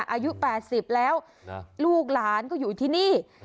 อายุ๘๐แล้วลูกหลานก็อยู่ที่นี่